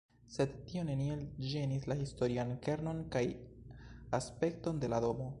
Sed tio neniel ĝenis la historian kernon kaj aspekton de la domo.